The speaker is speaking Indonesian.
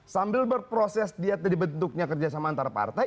sambil berproses diatasi bentuknya kerjasama antarupartai